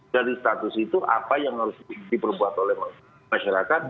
dari status itu apa yang harus diperbuat oleh masyarakat